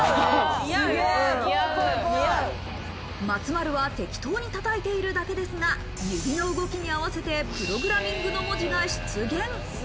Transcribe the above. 松丸は適当に叩いているだけですが、指の動きに合わせてプログラミングの文字が出現。